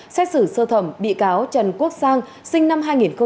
xét xử sơ thẩm bị cáo trần quốc sang sinh năm hai nghìn hai